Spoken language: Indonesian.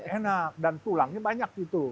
enak dan tulangnya banyak gitu